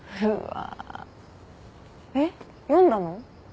えっ読んだの？